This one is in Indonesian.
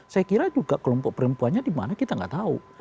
saya kira juga kelompok perempuannya dimana kita nggak tahu